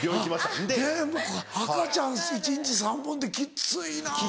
でも赤ちゃん一日３本ってきついな。